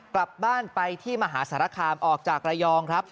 กลับบ้านไปที่มหาสารคามออกจากระยองครับ